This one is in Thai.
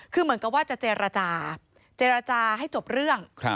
คือเหมือนกับว่าจะเจรจาเจรจาให้จบเรื่อง